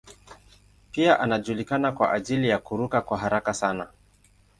Pia anajulikana kwa ajili ya kuruka kwa haraka sana.